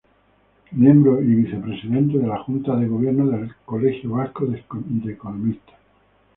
Miembro y Vicepresidente de la Junta de Gobierno del Colegio Vasco de Economistas.